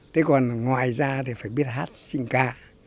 thế còn ngoài ra thì phải biết hát xình ca